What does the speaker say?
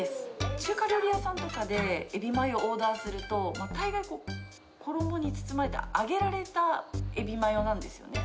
中華料理屋さんとかでエビマヨをオーダーすると、大概、衣に包まれた、揚げられたエビマヨなんですよね。